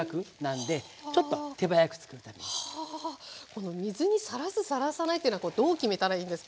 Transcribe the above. この水にさらすさらさないっていうのはどう決めたらいいんですか？